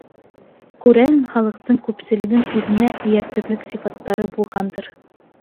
- Күрәһең, халыҡтың күпселеген үҙенә эйәртерлек сифаттары булғандыр.